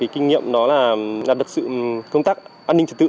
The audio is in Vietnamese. kinh nghiệm đó là được sự công tác an ninh trật tự